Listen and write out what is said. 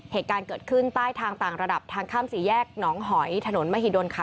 เหตุการณ์เกิดขึ้นใต้ทางต่างระดับทางข้ามสี่แยกหนองหอยถนนมหิดลค่ะ